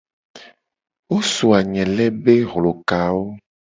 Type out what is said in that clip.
Wo so anyele be hlokawo.